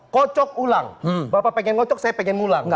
kocok ulang bapak pengen kocok saya pengen mulang